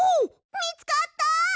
みつかった！？